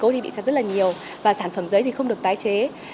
cây cây thì bị chặt rất là nhiều và sản phẩm giấy thì không được tái chế